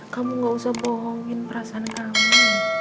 kamu gak usah bohongin perasaan kamu